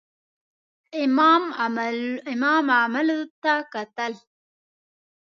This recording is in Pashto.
امام عملو ته کتل.